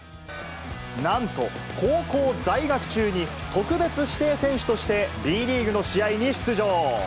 なんと、高校在学中に特別指定選手としてＢリーグの試合に出場。